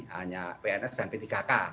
hanya pns dan p tiga k